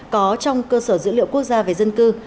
có trong cơ sở dữ liệu quốc gia về dân cư